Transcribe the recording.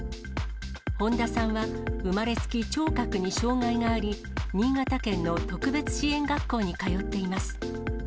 本田さんは生まれつき聴覚に障害があり、新潟県の特別支援学校に通っています。